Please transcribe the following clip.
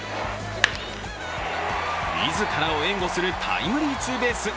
自らを援護するタイムリーツーベース。